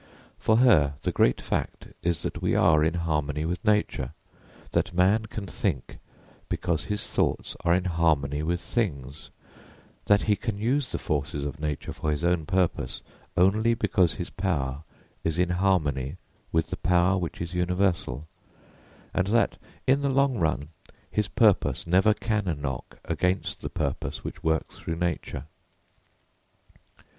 For her, the great fact is that we are in harmony with nature; that man can think because his thoughts are in harmony with things; that he can use the forces of nature for his own purpose only because his power is in harmony with the power which is universal, and that in the long run his purpose never can knock against the purpose which works through nature.